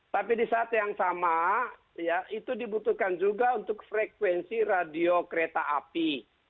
tapi di saat yang sama ya itu dibutuhkan juga untuk frekuensi radio kereta api